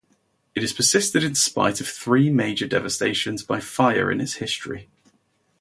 It has persisted in spite of three major devastations by fire in its history.